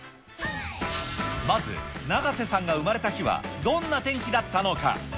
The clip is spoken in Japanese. まず、永瀬さんが生まれた日は、どんな天気だったのか。